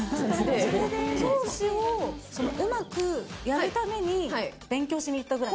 教師をその、うまくやるために勉強しに行ったぐらい？